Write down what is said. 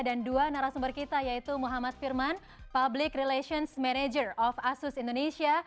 dan dua narasumber kita yaitu muhammad firman public relations manager of asus indonesia